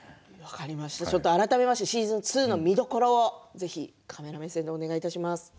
改めてシーズン２の見どころを、ぜひカメラ目線でお願いします。